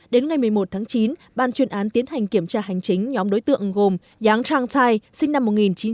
đến ngày một mươi một tháng chín ban chuyên án tiến hành kiểm tra hành chính nhóm đối tượng gồm giáng trang thai sinh năm một nghìn chín trăm tám mươi